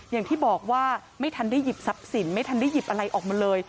อย่างที่บอกว่าไม่ทันได้หยิบทรัพย์สินไม่ทันได้หยิบอะไรออกมาเลย